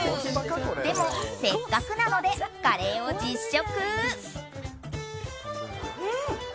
でも、せっかくなのでカレーを実食。